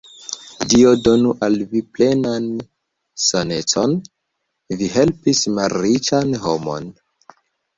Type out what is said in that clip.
Dio donu al vi plenan sanecon! vi helpis malriĉan homon.